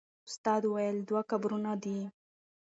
استاد وویل چې دوه قبرونه دي.